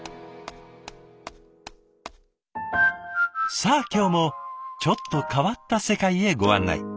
さあ今日もちょっと変わった世界へご案内。